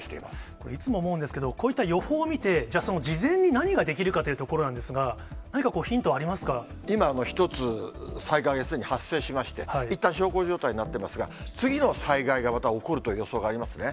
これ、いつも思うんですけど、こういった予報を見て、じゃあ、事前に何ができるかというところなんですが、何かこう、ヒントあ今、一つ災害がすでに発生しまして、いったん小康状態になってますが、次の災害がまた起こるという予想がありますね。